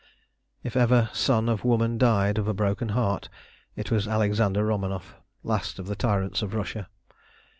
If ever son of woman died of a broken heart it was Alexander Romanoff, last of the tyrants of Russia.